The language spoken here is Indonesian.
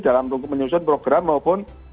dalam menyusun program maupun